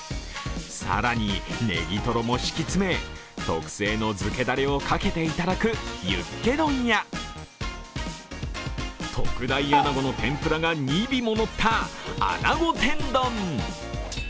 更に、ネギトロも敷き詰め、特製の漬けダレをかけていただくユッケ丼や特大穴子のてんぷらが２尾ものった穴子天丼。